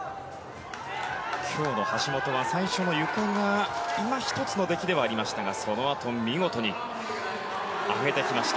今日の橋本は最初のゆかが今一つの出来ではありましたがそのあと見事に上げてきました。